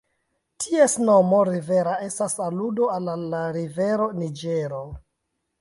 Ties nomo "Rivera" estas aludo al la rivero Niĝero.